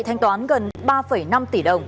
thanh toán gần ba năm tỷ đồng